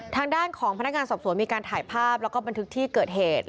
ทางด้านของพนักงานสอบสวนมีการถ่ายภาพแล้วก็บันทึกที่เกิดเหตุ